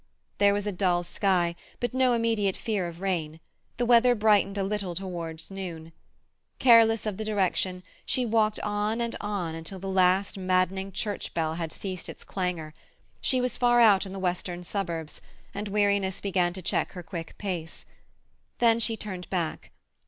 There was a dull sky, but no immediate fear of rain; the weather brightened a little towards noon. Careless of the direction, she walked on and on until the last maddening church bell had ceased its clangour; she was far out in the western suburbs, and weariness began to check her quick pace. Then she turned back.